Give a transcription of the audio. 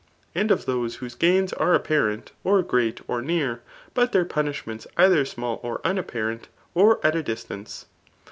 And of those whose gains are apparent, or great, or near ; but their punishments either small,' or unappirent, or at a distance.